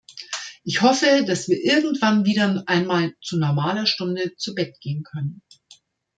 Ich hoffe, dass wir irgendwann wieder einmal zu normaler Stunde zu Bett gehen können.